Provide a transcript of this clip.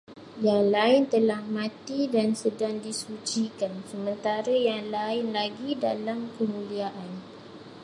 Yang lain telah mati dan sedang disucikan, sementara yang lain lagi dalam kemuliaan